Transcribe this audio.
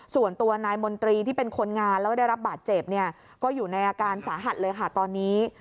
ส่วนตัวนายมนตรีที่เป็นคนงานแล้วก็ได้รับบาดเจ็บเนี่ยก็อยู่ในอาการสาหัสเลยค่ะตอนนี้